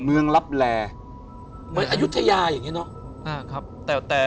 เมืองรับแรกเหมือนอายุทยาอย่างเงี้ยเนอะ